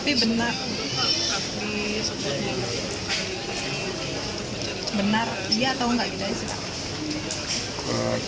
tapi benar tapi sebenarnya benar dia atau enggak dia sih pak